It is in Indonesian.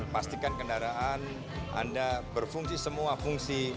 pastikan kendaraan anda berfungsi semua fungsi